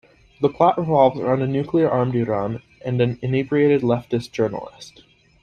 The plot revolves around a nuclear-armed Iran and an inebriated leftist journalist.